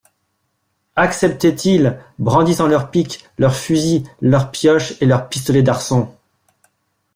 Acceptaient-ils, brandissant leurs piques, leurs fusils, leurs pioches et leurs pistolets d'arçon.